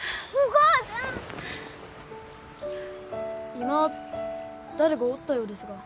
今誰かおったようですが。